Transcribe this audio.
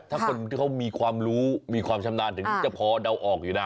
ถ้าคนที่เขามีความรู้มีความชำนาญถึงจะพอเดาออกอยู่ได้